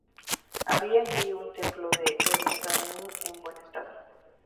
Había allí un templo de Hermes aún en buen estado.